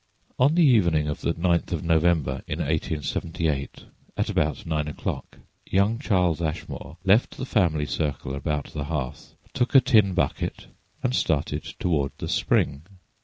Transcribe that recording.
On the evening of the 9th of November in 1878, at about nine o'clock, young Charles Ashmore left the family circle about the hearth, took a tin bucket and started toward the spring.